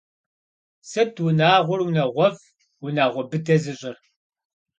Сыт унагъуэр унагъуэфӏ, унагъуэ быдэ зыщӏыр?